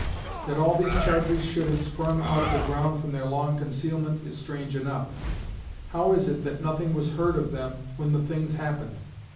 That all these charges should have sprung out of the ground from their long concealment is strange enough. How is it that nothing was heard of them when the things happened?